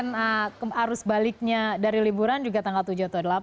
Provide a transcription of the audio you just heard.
arus baliknya dari liburan juga tanggal tujuh atau delapan